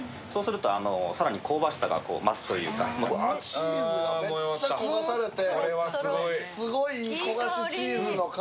チーズがめっちゃ焦がされて。